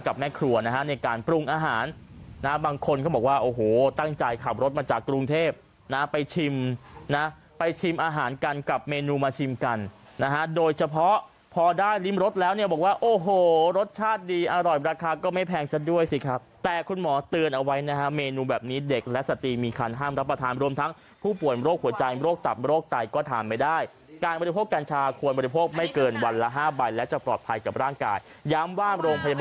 กับแม่ครัวนะฮะในการปรุงอาหารนะบางคนก็บอกว่าโอ้โหตั้งใจขับรถมาจากกรุงเทพนะไปชิมนะไปชิมอาหารกันกับเมนูมาชิมกันนะฮะโดยเฉพาะพอได้ริ้มรสแล้วเนี่ยบอกว่าโอ้โหรสชาติดีอร่อยราคาก็ไม่แพงซะด้วยสิครับแต่คุณหมอเตือนเอาไว้นะฮะเมนูแบบนี้เด็กและสตีมีคันห้ามรับประทานร่วมทั้งผ